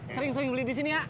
sering sering beli di sini ya